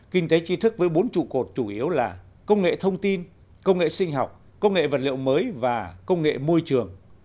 kinh tế tri thức với bốn trụ cột chủ yếu là công nghệ thông tin công nghệ sinh học công nghệ vật liệu mới và công nghệ môi trường